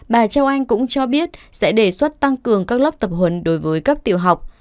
bà châu anh cũng cho biết sẽ đề xuất tăng cường các lớp tập huấn đối với cấp tiểu học